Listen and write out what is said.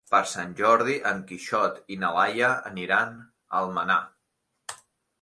Per Sant Jordi en Quixot i na Laia aniran a Almenar.